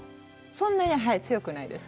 そんなに強くないです。